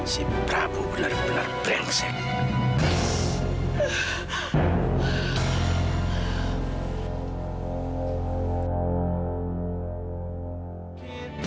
si prabu benar benar brengsek